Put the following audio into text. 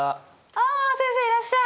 あ先生いらっしゃい！